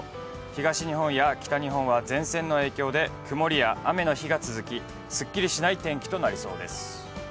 東日本や北日本は前線の影響で曇りや雨の日が続きすっきりしない天気となりそうです。